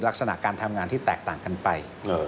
ลักษณะการทำงานที่แตกต่างกันไป